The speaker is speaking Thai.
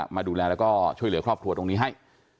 มาดูแลแล้วก็ช่วยเหลือครอบครัวตรงนี้ให้